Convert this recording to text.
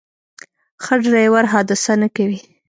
ښه ډرایور حادثه نه کوي.